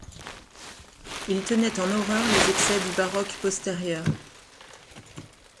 Il tenait en horreur les excès du baroque postérieur.